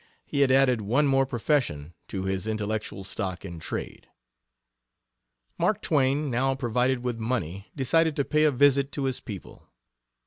He had added one more profession to his intellectual stock in trade. Mark Twain, now provided with money, decided to pay a visit to his people.